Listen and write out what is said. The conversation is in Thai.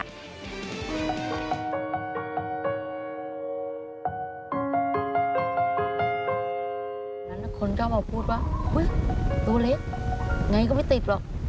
นั่นคนเข้ามาพูดว่าเฮ้ยตัวเล็กยังไงก็ไม่ติดหรอก